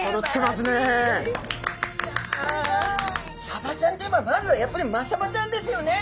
サバちゃんといえばまずはやっぱりマサバちゃんですよね。